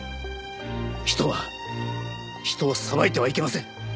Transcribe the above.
人は人を裁いてはいけません。